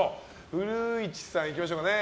古市さん、いきましょうかね。